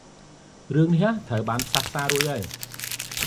រឿងនេះត្រូវបានផ្សះផ្សារួចហើយ ។